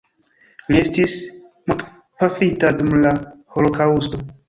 Li estis mortpafita dum la holokaŭsto.